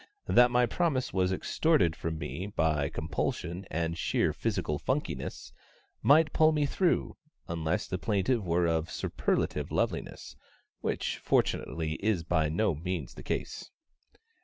that my promise was extorted from me by compulsion and sheer physical funkiness might pull me through, unless the plaintiff were of superlative loveliness (which, fortunately, is by no means the case).